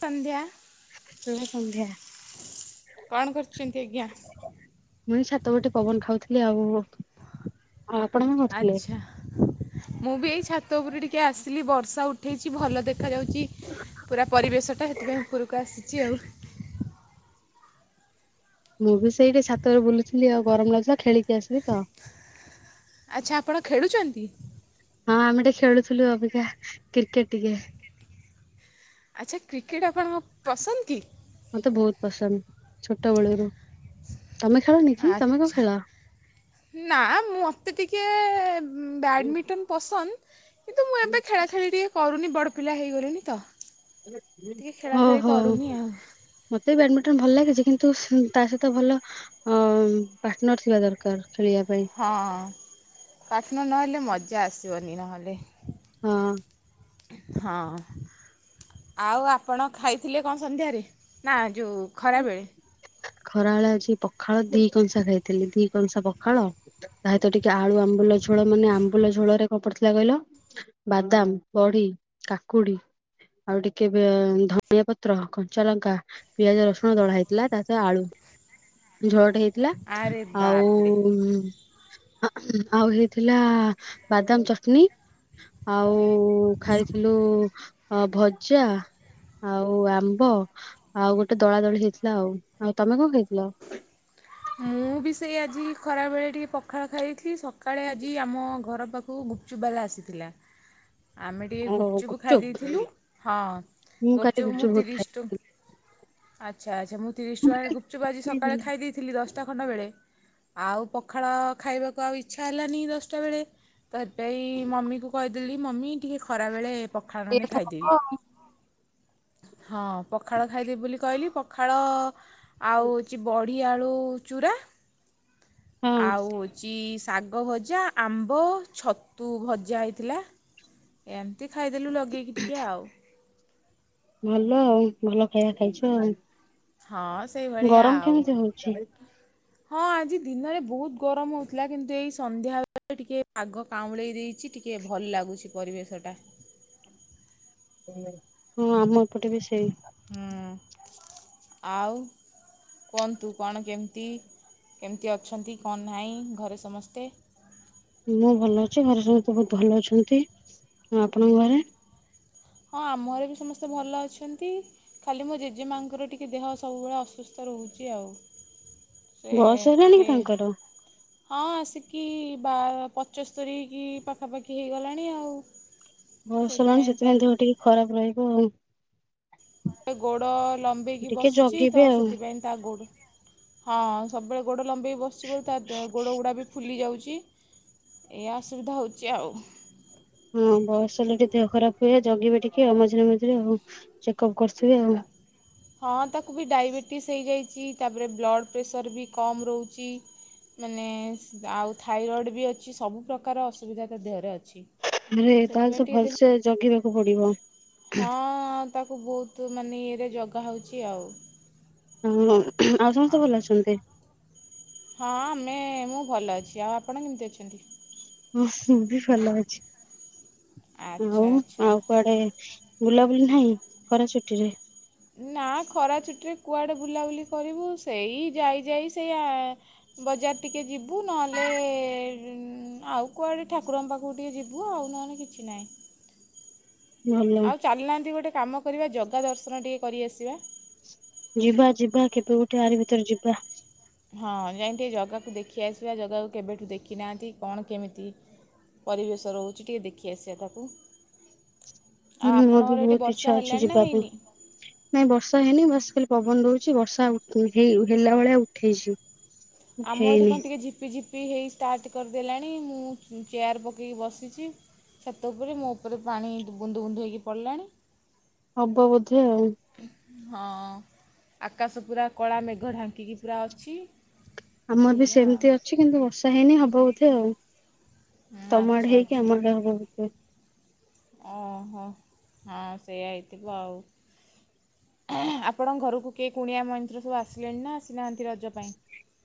ସନ୍ଧ୍ୟା ତୁମେ ସନ୍ଧ୍ୟା। କଣ କରୁଛନ୍ତି ଆଜ୍ଞା? ମୁଁ ଏଇ ଛାତଉପରେ ଟିକେ ପବନ ଖାଉଥିଲି ଆଉ। ଆଉ ଆପଣ କଣ କରୁଥିଲେ? ଆଛା ମୁଁ ବି ଏଇ ଛାତଉପରୁ ଟିକେ ଆସିଲି ବର୍ଷା ଉଠେଇଛି ଭଲ ଦେ ଖାଯାଉଛି ପୁରା ପରିବେଶଟା ସେଥିପାଇଁ ଉପରକୁ ଆସିଛି ଆଉ। ମୁଁ ବି ସେଇଠି ଛାତଉପରେ ବୁଲୁଥିଲି ଆଉ ଗରମ ଲାଗୁଥିଲା ଖେଳିକି ଆସିଲି ତ। ଆଚ୍ଛା ଆପଣ ଖେଳୁଚନ୍ତି? ହଁ ଆମେ ଟିକେ ଖେଳୁଥିଲୁ ଅବିକା କ୍ରିକେଟ୍ ଟିକେ। ଆଚ୍ଛା କ୍ରିକେଟ୍ ଆପଣଙ୍କ ପସନ୍ଦକି? ମତେ ବହୁତ୍ ପସନ୍ଦ ଛୋଟୋ ବେଳୁରୁ। ତମେ ଖେଳନି? ଆଚ୍ଛା ନା ମୋତେ ଟିକେ ବ୍ୟାଡ଼ମିଣ୍ଟନ୍। ପସନ୍ଦ କିନ୍ତୁ ମୁଁ ଏବେ ଖେଳାଖେଳି ଟିକେ କରୁନି ବଡ଼ପିଲା ହେଇ ଗଲିଣିି ତ। ଟିକେ ଖେଳା ହଉ ଖେଳି ହଉ। କରୁନି ଆଉ ମତେ ବି ବ୍ୟାଡମିଣ୍ଟନ୍ ଭଲ ଲାଗେ ଜେ କିନ୍ତୁ ତା ସହିତ ଭଲ ହଁ ହଁ ପାଟନର୍ ଥିବା ଦରକାର ଖେଳିବାପାଇଁ। ହଁ ଅଁ ପାଟନର୍ ନହେଲେ ମଜା ଆସିବନି ନହେଲେ। ହଁ। ହଁ। ଆଉ ଆପଣ ଖାଇଥିଲେ କଣ ସନ୍ଧ୍ୟାରେ ନା ଯୋଉ ଖରାବେଳେ? ଖରାବେଳେ ଆଜି ପଖାଳ ଦି କଂସା ଖାଇଥିଲି ଦି କଂସା ପଖାଳ। ତାହିତ ଟିକେ ଆଳୁ ଆମ୍ବୁଲ ଝୋଳ ମାନେ ଆମ୍ ବୁଲ ଝୋଳରେ କଣ ପଡିଥିଲା କହିଲ ବାଦାମ୍ ବଢି କାକୁଡି ଆଉ ଟିକେବି ଧନିଆ ପତ୍ର କଞ୍ଚାଲଙ୍କା ପିଆଜ ରସୁଣ ଦଳା ହେଇଥିଲା ତା ଆଳୁ ଝୋଳଟେ ହେଇଥିଲା ଆରେ ଆଉ ବାପରେ ଆଉ ହେଇଥିଲା ବାଦାମ୍ ଚଟଣି। ଆଉ ଖାଇଥିଲୁ ଅ ଭଜା ଆଉ ଆମ୍ବ ଆଉ ଗୋଟେ ଦଳାଦଳି ହେଇଥିଲା ଆଉ। ଆଉ ତମେ କଣ ଖାଇଥିଲ? ମୁଁ ବି ସେଇ ଆଜି ଖରାବେଳେ ଟିକେ ପଖାଳ ଖାଇଦେଇଥିଲି ସକାଳେ ଆଜି ଆମ ଘର ପାଖକୁ କୋଉ ଗୁପ୍ ଚୁପ୍ ବାଲା ଆସିଥିଲା ଆମେ ଟିକେ ଆଉ ଗୁପ୍ ଚୁପ୍ ଖାଇ ଗୁପଚୁପ ଦେଇଥିଲୁ ହଁ। ମୁଁ ଗୁପ୍ କାଲି ଚୁପ୍ ମୁଁ ଗୁପଚୁପ ବହୁତ ତିରିଶି ଟ ଖାଇଥିଲି। ଆଚ୍ଛା ଆଚ୍ଛା ମୁଁ ତିରିଶି ଟଙ୍କା ରେ ଗୁପ୍ ଚୁପ୍ ଆଜି ସକାଳେ ଖାଇ ଦେଇଥିଲି ଦଷ୍ଟା ଖଣ୍ଡେ ବେଳେ। ଆଉ ପଖାଳ ଖାଇବାକୁ ଆଉ ଇଚ୍ଛା ହେଲାନି ଦଷ୍ଟା ବେଳେ। ତ ହେଇଥିପାଇଁ ମମିକୁ କହିଦେଲି ମମି ଟିକେ ଖରା ବେଳେ ପଖାଳ ଇଏ ନେ ତ ହବ ଖାଇଦେବି। ଆଉ ହଁ ପଖାଳ ଖାଇଦେବି ବୋଲି କହିଲି ପଖାଳ ଆଉଛି ବଢ଼ି। କି ଆଳୁ ଚୂରା ହଁ ଆଉ ହଉଛି ଶାଗ ଭଜା ଆମ୍ବ ଛତୁ ଭଜା ହେଇଥିଲା। ଏମିତି ଖାଇଦେଲୁ ଲଗେଇକି ଟିକେ ଆଉ ଭଲ ଆଉ ଭଲ ଖାଇବା ଖାଇଛୁ ହଁ ଆଉ ସେଇଭଳିଆ ଗରମ ଆଉ କେମିତି ହଉଛି ହଁ ଆଜି ଦିନରେ ବହୁତ ଗରମ ହଉଥିଲା କିନ୍ତୁ ଏଇ ସନ୍ଧ୍ୟାବେଳେ ଟିକେ ପାଗ ପାଉଁଳେଇ ଦେଇଛି ଟିକଏ ଭଲ ଲାଗୁଛି ପରିବେଶଟା ହଁ ଆମ ଏପଟେ ବି ସେଇ ହୁଁ ଆଉ କୁହନ୍ତୁ କଣ କେମିତି କେମିତି ଅଛନ୍ତି କଣ ନାହିଁ ଘରେ ସମସ୍ତେ? ମୁଁ ଭଲ ଅଛି ଘରେ ସହିତ ବହୁତ ଭଲ ଅଛନ୍ତି, ଆ ଆପଣଙ୍କ ଘରେ? ହଁ ଆମ ଘରେ ବି ସମସ୍ତେ ଭଲ ଅଛନ୍ତି। ଖାଲି ମୋ ଜେଜେମାଙ୍କର ଟିକେ ଦେହ ସବୁବେଳେ ଅସୁସ୍ଥ ରହୁଛି ଆଉ। ସେ ବୟସ ହେଲାଣି କି ଟିକେ ତାଙ୍କର? ହଁ ଆସିକି ବା ପଞ୍ଚସ୍ତୁରୀ କି ପାଖାପାଖି ହୋଇଗଲାଣି ଆଉ। ବୟସ ହେଲାଣି ସେଥିପାଇଁ ଦେହ ଟିକେ ଖରାପ ରହିବ ଆଉ। ଗୋଡ଼ ଲମ୍ବେଇକି ଟିକେ ବସୁଛି ତ ଜଗିବେ ଆଉ ସେଥିପାଇଁ ତା ଗୋ ହଁ ସବୁବେଳେ ଗୋଡ଼ ଲମ୍ବେଇ ବଶୁଚି ବୋଲି ତା ଗୋଡ଼ ଗୁଡ଼ା ବି ଫୁଲି ଯାଉଛି। ଏଆ ଅସୁବିଧା ହଉଛି ଆଉ। ହଁ ବୟସ ହେଲେ ଟିକେ ଦେହ ଖରାପ ହୁଏ ଜଗିବେ ଟିକେ ମଝିରେ ମଝିରେ ଆଉ ଚେକ ଅପ୍ କରୁଥିବେ ଆଉ। ହଁ ତାକୁ ବି ଡାଇବେଟିସ୍ ହେଇଯାଇଛି ତା ପରେ ବ୍ଲଡ଼ ପ୍ରେସର ବି କମ୍ ରହୁଛି। ମାନେ ଆଉ ଥାଇରଏଡ଼୍ ବି ଅଛି ସବୁ ପ୍ରକାର ଅସୁବିଧା ତା ଦେହରେ ଅଛି। ଆରେ ଆଉ ତାହେଲେ ସେଥିପାଇଁ ତ ଟିକେ ଦେହ ଭଲସେ ଜଗିବାକୁ ପଡିବ। ହଁ ତାକୁ ବହୁତ ମାନେ ଇଏରେ ଜଗା ହେଉଛି ଆଉ। ଉଁହଁ ଆଉ ସମସ୍ତେ ଭଲ ଅଛନ୍ତି? ହଁ ଆମେ ମୁଁ ଭଲ ଅଛି, ଆଉ ଆପଣ କେମିତି ଅଛନ୍ତି? ହଁ ମୁ ବି ଭଲ ଅଛି ଆଉ ଆଚ୍ଛା ଆଚ୍ଛା। ଆଉ କୁଆଡେ? ବୁଲାବୁଲି ନାହିଁ ଖରା ଛୁଟି ରେ? ନା ଖରା ଛୁଟିରେ କୁଆଡ଼େ ବୁଲାବୁଲି କରିବୁ ସେଇ ଯାଇ ଯାଇ ସେଇ ଆ ବଜାର ଟିକେ ଯିବୁ ନହେଲେ ଆଉ କୁଆଡେ ଠାକୁରଙ୍କ ପାଖକୁ ଟିକେ ଯିବୁ ଆଉ ନହେଲେ କି କିଛି ନାହିଁ। ଭଲ। ଆଉ ଚାଲୁନାହାନ୍ତି ଗୋଟେ କାମ କରିବା ଜଗା ଦର୍ଶନ ଟିକେ କରିଆସିବା। ଯିବା ଯିବା କେବେ ଗୋଟେ ଆରି ଭିତରେ ଯିବା। ହଁ ଯାଇ ଟିକେ ଜାଗାକୁ ଦେଖି ଆସିବା ଜାଗାକୁ କେବେଠୁ ଦେଖିନାହାନ୍ତି କଣ କେମିତି ପରିବେଶ ରହୁଛି ଟିକେ ଦେଖି ଆସିବା ତାକୁ। ହୁଁ ଆଉ ମୋର ବି ଆପଣଙ୍କର ଏଇଠି ବହୁତ ଇଚ୍ଛା ବର୍ଷା ଅଛି ହେଲାଣି ନା ଯିବା ପାଇଁ। ହେଇନି? ନାଇଁ ବର୍ଷା ହେଇନି ବାସ୍ ଖାଲି ପବନ ଦଉଛି ବର୍ଷା ହେଇ ହେଲା ଭଳିଆ ଉଠେଇଛି। ଆମ ଏଠି ହେଇନି କଣ ଟିକେ ଜିପି ଜିପ୍ ପି ହେଇ ଷ୍ଟାର୍ଟ କରିଦେଲାଣି ମୁଁ ଚେୟାର ପକେଇକି ବସିଛି। ଛାତ ଉପରେ ମୋ ଉପରେ ପାଣି ବୁନ୍ଦୁ ବୁନ୍ଦୁ ହୋଇକି ପଡ଼ିଲାଣି। ହବ ବୋଧେ ଆଉ। ହଁ ଆକାଶ ପୁରା କଳା ମେଘ ଢାଙ୍କିକି ପୁରା ଅଛି। ଆମର ବି ଏଇଆ ସେମିତି ଅଛି କିନ୍ତୁ ବର୍ଷା ହେଇନି ହବ ବୋଧେ ଆଉ ଆଉ ତମ ଆଚ୍ଛା ଆଡେ ହେଇକି ଆଚ୍ଛା ଆମ ଆଡେ ହବ ଓହୋ ହଁ ସେଇଆ ହେଇଥିବ ଆଉ। ଆପଣଙ୍କ ଘରକୁ କିଏ କୁଣିଆ ମୟନ୍ତ ସବୁ ଆସିଲେଣି ନା ଆସିନାହାନ୍ତି ରଜ ପାଇଁ?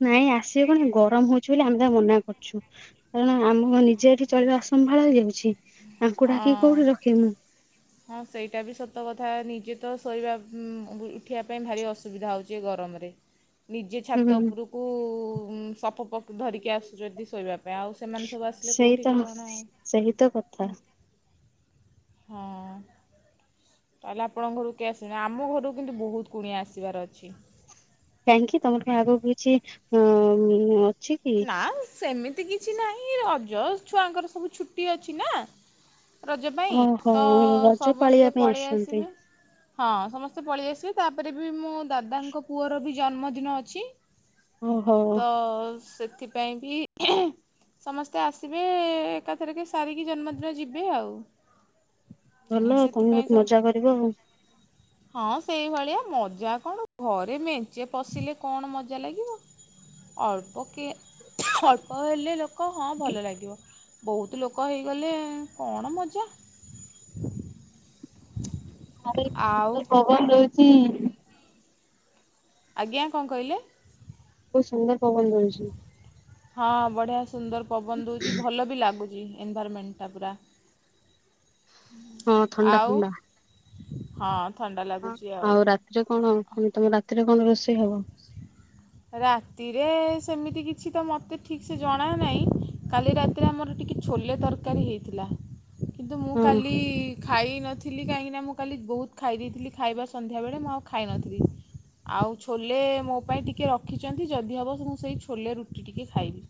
ନାଇଁ ଆସିବେ କଣ ଗରମ ହଉଛି ବୋଲି ଆମେ ତା ମନା କରୁଛୁ। କାରଣ ଆମ ନିଜେ ଏଠି ଚଳିବା ଅସମ୍ଭାଳ ହେଇଯାଉଛି ତାଙ୍କୁ ଡାକିକି ହଁ କୋଉଠି ରଖିବୁ। ହଁ ସେଇଟା ବି ସତ କଥା ନିଜେ ତ ଶୋଇବା ଉଁ ଉଠିବା ପାଇଁ ଭାରି ଅସୁବିଧା ହଉଛି ଏ ଗରମରେ। ନିଜେ ଛାତ ହୁଁ ଉପରକୁ ସପ୍ ଫପ ଧରିକି ଆସୁଛନ୍ତି ଶୋଇବା ଏବେ ଆଉ ସେମାନେ ସବୁ ଆସିଲେ ସେଇ ତ କୋଉଠି କଣ ସେଇ ତ କଥା ହଁ। ତାହେଲେ ଆପଣଙ୍କ ଘରକୁ କିଏ ଆସିବେନି ଆମ ଘରକୁ କିନ୍ତୁ ବହୁତ କୁଣିଆ ଆସିବାର ଅଛି। କାହିଁକି ତମର କଣ ଆଗକୁ କିଛି ଉଁ ନା ସେମିତି କିଛି ନାହିଁ ରଜ ଛୁଆଙ୍କର ସବୁ ଛୁଟି ଅଛି ନା ରଜ ପାଇଁ ଓହୋ ତ ରଜ ପାଳିବା ସମସ୍ତେ ପାଇଁ ପଳେଇ ଆସୁଛନ୍ତି ଆସିବେ। ହଁ ସମସ୍ତେ ପଳେଇ ଆସିବେ ତାପରେ ବି ମୋ ଦାଦାଙ୍କ ପୁଅର ବି ଜନ୍ମଦିନ ଅଛି। ଓହୋ। ତ ସେଥିପାଇଁ ବି ଏଁହିଂ ସମସ୍ତେ ଆସିବେ ଏକାଥରକେ ସାରିକି ଜନ୍ମଦିନ ଯିବେ ଆଉ। ଭଲ ତମେ ସେଥିପାଇଁ ବହୁତ ସବୁ ମଜା କରିବ ଆଉ। ହଁ ସେଇଭଳିଆ ମଜା କଣ ଘରେ ମେଞ୍ଚେ ପଶିଲେ କଣ ମଜା ଲାଗିବ? ଅଳ୍ପ କିଏ ଅଳ୍ପ ହେଲେ ଲୋକ ହଁ ଭଲ ଲାଗିବ ବହୁତ ଲୋକ ହେଇଗଲେ କଣ ମଜା? ଆରେ କି ଆଉ ସୁନ୍ଦର ପବନ ଦଉଛି। ଆଜ୍ଞା କଣ କହିଲେ? ବହୁତ ସୁନ୍ଦର ପବନ ଦଉଛି। ହଁ ବଢ଼ିଆ ସୁନ୍ଦର ପବନ ଦଉଛି ଭଲ ବି ଲାଗୁଛି। ଏନଭାରମେଣ୍ଟଟା ପୁରା ହଁ ଥଣ୍ଡା ଆଉ ହଁ। ଥଣ୍ଡା ହଁ ଲାଗୁଛି ଆଉ ହଉ ରାତିରେ କଣ ପୁଣି ତମ ରାତିରେ କଣ ରୋଷେଇ ହବ? ରାତିରେ ସେମିତି କିଛି ତ ମୋତେ ଠିକୟସେ ଜଣା ନାହିଁ କାଲି ରାତିରେ ଆମର ଟିକେ ଛୋଲେ ତରକାରୀ ହେଇଥିଲା କିନ୍ତୁ ମୁଁ ହଁ କାଲି ଖାଇନଥିଲି କାହିଁକିନା ମୁଁ କାଲି ବହୁତ ଖାଇ ଦେଇଥିଲି ଖାଇବା ସନ୍ଧ୍ୟାବେଳେ ମୁଁ ଆଉ ଖାଇନଥିଲି। ଆଉ ଛୋଲେ ମୋ ପାଇଁ ଟିକେ ର ଖିଛନ୍ତି ଯଦି ହେବ ମୁଁ ସେଇ ଛୋଲେ ରୁଟି ଟିକେ ଖାଇବି।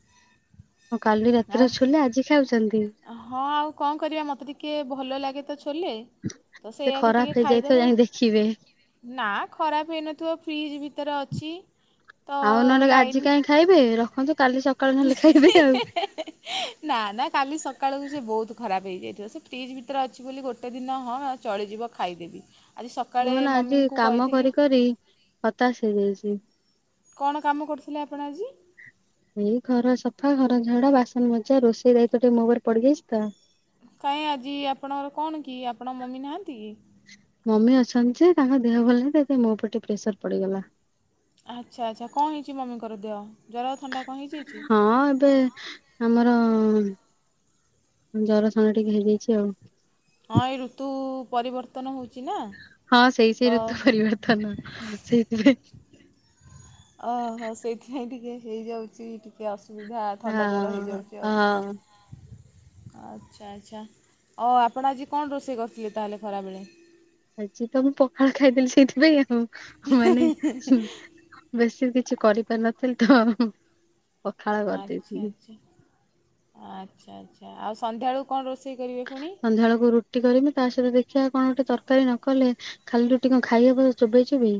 ହଁ କାଲି ଆଉ ରାତିର ଛୋଲେ ଆଜି ଖାଉଛନ୍ତି? ହଁ ଆଉ କଣ କରିବା ମୋତେ ଟିକେ ଭଲ ଲାଗେ ତ ଛୋଲେ। ତ ସେ ସେଇଆାକୁ ଖରାପ ଟିକେ ହେଇଯାଇଥିବ ଖାଇଦବା। ଯାଇ ଦେଖିବେ। ନା ଖରାପ ହେଇନଥିବ ଫ୍ରିଜ୍ ଭିତରେ ଅଛି। ତ ଆଉ ନହେଲେ ଲାଇନ, କାହିଁ ତ ଆଜି କାଇଁ ଖାଇବେ ରଖନ୍ତୁ ସକାଳୁ କାଲି ଖାଇବେ। ନହେଲେ ଆଉ। ଇଁହିଁହିଂ ନା ନା କାଲି ସକାଳକୁ ସେ ବହୁତ ଖରାପ ହେଇଯାଇଥିବ ସେ ଫ୍ରିଜ ଭିତରେ ଅଛି ବୋଲି ଗୋଟେ ଦିନ ହଁ ଚଳିଯିବ ଖାଇଦେବି। ଆଜି ସକାଳେ କୁହନା ଆଜି ମମିଙ୍କୁ କାମ କହିଥିଲି। କରି କରି ହତାଶ ହେଇଯାଇଛି। କଣ କାମ କରୁଥିଲେ ଆପଣ ଆଜି? ଏଇ ଘର ସଫା ଘର ଝଡା ବାସନମଜା ରୋଷେଇ ଦାୟିତ୍ୱ ଟିକେ ମୋ ଉପରେ ପଡିଯାଇଛି ତ କାଇଁ ଆଜି ଆପଣଙ୍କର କଣ କି ଆପଣଙ୍କ ମମି ନାହାଁନ୍ତି କି? ମମି ଅଛନ୍ତି ଯେ ତାଙ୍କ ଦେହ ଭଲ ନାହିଁତ ସେଇଥିପାଇଁ ମୋ ଉପରେ ଟିକେ ପ୍ରେସର ପଡିଗଲା। ଆଚ୍ଛା ଆଚ୍ଛା କଣ ହେଇଛି ମମିଙ୍କର ଦେହ? ଜ୍ୱର ଥଣ୍ଡା କଣ ହେଇଯାଇଛି? ହଁ ଏବେ ଆମର ଉଁ ଜରଥଣ୍ଡ। ଟିକେ ହେଇଯାଇଛି ଆଉ। ହଁ ଏଇ ଋତୁ ପରିବର୍ତ୍ତନ ହେଉଛି ନା ହଁ ସେଇ ସେଇ ତ ଋତୁ ପରିବର୍ତ୍ତନ ସେଇଥିପାଇଁ ଅହ ସେଇଥିପାଇଁ ଟିକେ ହେଇଯାଉଛି ଟିକେ ଅସୁବିଧା ହଁ ଥଣ୍ଡା ଜର ହେଇଯାଉଛି ଆଉ। ହଁ। ଆଚ୍ଛା ଆଚ୍ଛା ଅ ଆପଣ ଆଜି କଣ ରୋଷେଇ କରିଥିଲେ ତାହେଲେ ଖରାବେଳେ? ଆଜି ତ ମୁଁ ପଖାଳ ଖାଇଦେଲି ସେଇଥିପାଇଁ ଆଉ ମାନେ ଶୁନ ବେଶି କିଛି କରିପାରିନଥିଲି ତ ପଖାଳ ଆଚ୍ଛା କରିଦେଇଥିଲି। ଆଚ୍ଛା। ଆଚ୍ଛା ଆଚ୍ଛା ଆଉ ସନ୍ଧ୍ୟାଏଳୁକୁ କଣ ରୋଷେଇ କରିବେ ପୁଣି? ସନ୍ଧ୍ୟା ଅଳକୁ ରୁଟି କରିବି ତା ସହିତ ଦେଖିବା କଣ ଗୋଟେ ତରକାରୀ ନ କଲେ ଖାଲି ରୁଟି କଣ ଖାଇହବ ଚୋବେଇ ଚୋବେଇ?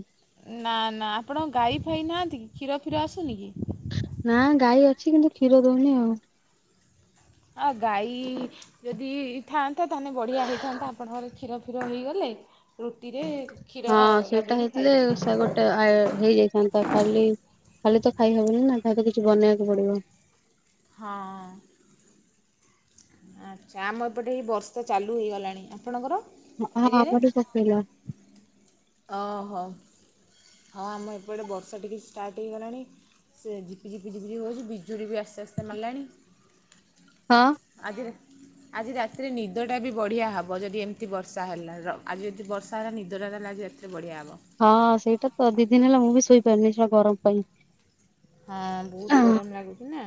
ନା ନା ଆପଣଙ୍କ ଗାଈ ଫାଇ ନାହାନ୍ତି କି କ୍ଷୀର ଫିର ଆସୁନି କି? ନା ଗାଈ ଅଛି କିନ୍ତୁ କ୍ଷୀର ଦଉନି ଆଉ। ଆଉ ଗାଈ ଯଦି ଥାଆନ୍ତା ତାହେନେ ବଢ଼ିଆ ହେଇଇଥାନ୍ତା ଆପଣଙ୍କର କ୍ଷୀର କ୍ଷୀର ହେଇଗଲେ ରୁଟିରେ କ୍ଷୀର ହଁ ସେଟା ଲଗେଇକି ହେଇଥିଲେ ଖାଇଦେଲେ। ସେ ଗୋଟେ ଆୟ ହେଇଯାଇଥାନ୍ତା। ଖାଲି ଖାଲି ତ ଖାଇହବନି ନା ତାକୁ କିଛି ବନେଇବାକୁ ପଡିବ। ହଁ ଅଁ। ଆଚ୍ଛା ଆମ ଏପଟେ ହେଇ ବର୍ଷା ଚାଲୁ ହେଇଗଲାଣି ଆପଣଙ୍କର? ହଁ ଏରିଆରେ? ଆମର ପକେଇଲା। ଅ ହୋ ହଁ ଆମ ଏପଟେ ବର୍ଷା ଟିକେ ଷ୍ଟାର୍ଟ ହେଇଗଲାଣି। ସେ ଝିପିଝିପି ଝିପିଝିପି ହେଉଛି ବିଜୁଳି ବି ଆସ୍ତେ ଆସ୍ତେ ମାରିଲାଣି। ହଁ। ଆଜିରେ। ଆଜି ରାତିରେ ନିଦଟା ବି ବଢ଼ିଆ ହବ ଯଦି ଏମିତି ବର୍ଷା ହେଲା ଆଜି ଯଦି ବର୍ଷା ହେଲା ନିଦଟା ତାହଲେ ଆଜି ରା ସେଥିରେ ବଢ଼ିଆ ହବ। ହଁ ସେଇଟା ତ ଦି ଦିନି ହେଲା ମୁଁ ବି ଶୋଇପାରିନି ସେଇଟା ଗରମ ପାଇଁ। ହଁ ବହୁତ ହଁ ଗରମ ଲାଗୁଛି ନା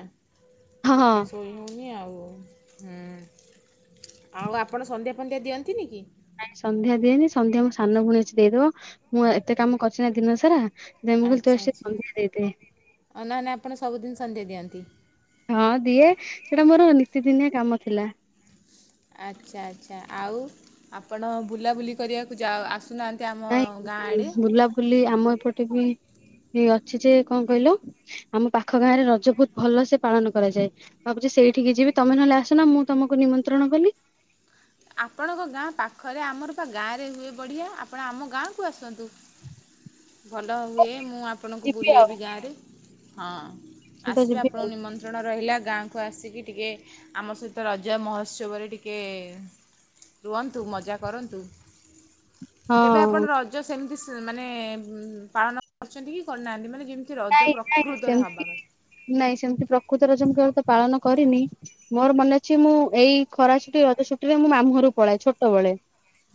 ହଁ ସେଥିପାଇଁ ସୋଇ ହଉନି ଆଉ ହଁ ଆଉ ଆପଣ ସନ୍ଧ୍ୟା ଫନ୍ଧ୍ୟା ଦିଅନ୍ତିନି କି? ନାଇଁ ସନ୍ଧ୍ୟା ଦିଏନି ସନ୍ଧ୍ୟା ମୋ ସାନ ଭଉଣୀ ଅଛି ଦେଇଦବ ମୁଁ ଏତେ କାମ କରିଛି ନା ଦିନ ସାରା। ନାଇଁ ମୁଁ କହିଲି ତୁ ଆଜି ସେ ସନ୍ଧ୍ୟା ଦେଇଦେ। ହ ନହେନେ ନାଇଁ ଆପଣ ସବୁଦିନ ସନ୍ଧ୍ୟା ଦିଅନ୍ତି? ହଁ ଦିଏ ସେଟା ମୋର ନିୀତିଦିନିଆ କାମ ଥିଲା। ଆଚ୍ଛା ଆଚ୍ଛା ଆଉ ଆପଣ ବୁଲାବୁଲି କରିବାକୁ ଯାଉ ଆସୁନାହାନ୍ତ ସେ ଆମ ଗାଁ ଆଡ଼େ। ଖଲି ଆମ ଏପଟେ ବି ଇ ଅଛି ଯେ କଣ କହିଲ? ଆମ ପାଖ ଗାଁ ରେ ରଜ ବହୁତ ଭଲସେ ପାଳନ କରାଯାଏ। ଭାବୁଛି ସେଇଠିକି ଯିବି ତମେ ନହେଲେ ଆସୂନ ମୁଁ ତମକୁ ନିମନ୍ତ୍ରଣ କଲି। ଆପଣଙ୍କ ଗାଁ ପାଖରେ ଆମର ପା ଗାଁରେ ହୁଏ ବଢ଼ିଆ ଆପଣ ଆମ ଗାଁକୁ ଆସନ୍ତୁ। ଭଲ ହୁଏ ମୁଁ ଆପଣଙ୍କୁ ଯିବି ଆଉ ବୁଲେଇବି ଗାଁରେ ହଁ। ମୁଁ ତ ଆସିବେ ଯିବି ଆପଣ ଆଉ ନିମନ୍ତ ନିମନ୍ତ୍ରଣ ରହିଲା ଗାଁକୁ ଆସିକି ଟିକେ ଆମ ସହିତ ରଜ ମହୋତ୍ସବରେ ଟିକିଏ ରୁହନ୍ତୁ ମଜା କରନ୍ତୁ କେବେ ହଁ ଆପଣ ର ସେମିତି ମାନେ ପାଳନ କରିଛନ୍ତି କି କରିନାହାନ୍ତି ମାନେ ଯେମିତି ରଜ ନାଇଁ ନାଇଁ ପ୍ରକୃତରେ ସେମିତି ହବାକଥା। ନାଇଁ ସେମିତି ପ୍ରକୃତ ରଜ ମୁଁ କେବଳ ତ ପାଳନ କରିନି। ମୋର ମନେ ଅଛି ମୁଁ ଏଇ ଖରା ଛୁଟି ରଜ ଛୁଟିରେ ମୁଁ ମାମୁଁ ଘରୁକୁ ପଳାଏ ଛୋଟବେେଳେ।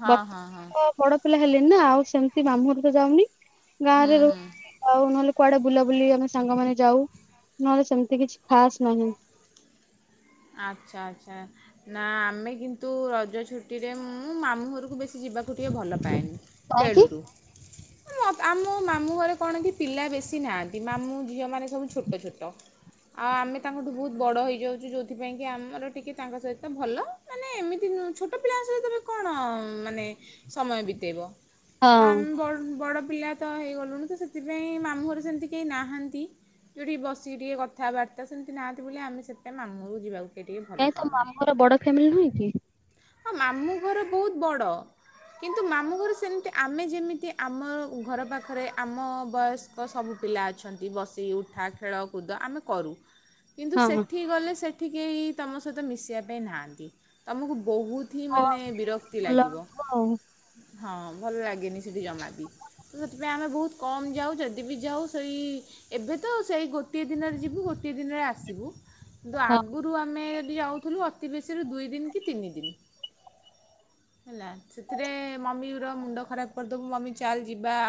ହଁ ହଁ ହଁ ବର୍ତ୍ତମାନ ତ ବଡ ପିଲା ହେଲିଣିି ନା ଆଉ ସେମିତି ମାମୁଁ ଘରକୁ ତ ଯାଉନି ହୁଁ ଗାଁରେ ରହୁ ହୁଁ ଆଉ ନହେଲେ କୁଆଡେ ବୁଲାବୁଲି ଆମେ ସାଙ୍ଗମାନେ ଯାଉ ନହେଲେ ସେମିତି କିଛି ଖାସ୍ ନାହିଁ। ଆଚ୍ଛା ଆଚ୍ଛା। ନା ଆମେ କିନ୍ତୁ ରଜ ଛୁଟିରେ ମୁଁ ମାମୁଁ ଘରକୁ ବେଶୀ ଯିବାକୁ ଟିକେ ଭଲ ପାଏନି। କାହିଁକି ବେଳୁରୁ ମୋ ତ ଆମ ମାମୁଁ ଘରେ କଣ କି ପିଲା ବେଶୀ ନାହାଁନ୍ତି, ମାମୁଁ ଝିଅମାନେ ସବୁ ଛୋଟ ଛୋଟ। ଆ, ଆମେ ତାଙ୍କଠୁ ବହୁତ ବଡ ହେଇଯାଉଚୁ, ଯୋଉ ସେଥିପାଇଁକି ଆମର ଟିକେ ତାଙ୍କ ସହିତ ଭଲ, ମାନେ ଏମିତି ନ- ଛୋଟ ପିଲାଙ୍କ ସହିତ ତୋମେ କଣ ମାନେ ସମୟ ବିତେଇବ, ତ ଆମ ହଁ ବଡ୍ ବଡ଼ ପିଲା ତ ହେଇଗଲୁଣି ତ ସେଥିପାଇଁ ମାମୁଁ ଘରେ ସେମିତି କେହି ନାହାନ୍ତି। ଯୋଉଠି ବସିକି ଟିକେ କଥାବାର୍ତ୍ତା ସେମିତି ନାହାନ୍ତି ବୋଲି, ଆମେ ସେଥିପାଇଁ ମାମୁଁରକୁ ଯିବାକୁ ଟିକେ ଭଲ କାଇଁ ତୋ ପାଉନା ମାମୁଁ ଘର ବଡ ଫ୍ୟାମିଲି ନୁହେଁ କି? ହଁ ମାମୁଁ ଘର ବହୁତ ବଡ଼। କିନ୍ତୁ ମାମୁଁ ଘରୁ ସେମିତି ଆମେ ଯେମିତି ଆମ ଘର ପାଖରେ ଆମ ବୟସ ଙ୍କ ସବୁ ପିଲା ଅଛନ୍ତି ବସି ଉଠା ଖେଳକୁଦ ଆମେ କରୁ। କିନ୍ତୁ ହଁ ସେଠିକି ଗଲେ ସେଠି କେହି ତୋମ ସହିତ ମିଶିବା ପାଇଁ ନାହାଁନ୍ତି। ତୋମକୁ ବହୁ ଥି ହଁ ହଁ ମାନେ ବିରକ୍ତି ଭଲ ଲାଗିବ, ଲାଗୁଥିବ ଆଉ। ହଁ ଭଲ ଲାଗେନି ସେଠି ଜମା ବି। ତ ସେଥିପାଇଁ ଆମେ ବହୁତ କମ୍ ଯାଉ, ଯଦି ବି ଯାଉ ସେଇ ଏବେ ତ ସେଇ ଗୋଟିଏ ଦିନରେ ଯିବୁ ଗୋଟିଏ ଦିନରେ ଆସିବୁ। କିନ୍ତୁ ଆଗରୁ ଆମେ ଯଦି ଯାଉଥୁଲୁ ଅତି ବେଶୀରୁ ଦୁଇ ଦିନ କି ତିନି ଦିନି। ହେଲା ସେଥିରେ ମମିର ମୁଣ୍ଡ ଖରାପ କରିଦବୁ, ମମି ଚାଲ୍ ଯିବା